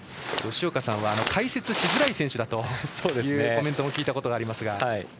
吉岡さんから解説しづらい選手だとのコメントも聞いたことがあります。